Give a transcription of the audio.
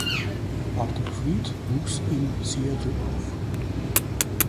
Arthur Freed wuchs in Seattle auf.